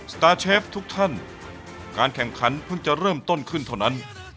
สตาร์เชฟทุกท่านการแข่งขันเพิ่งจะเริ่มต้นขึ้นเท่านั้น